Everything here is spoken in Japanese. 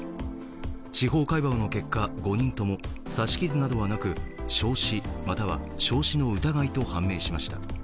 司法解剖の結果、５人とも刺し傷などはなく、焼死または焼死の疑いと判明しました。